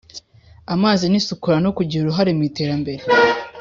amazi n isukura no kugira uruhare mu iterambere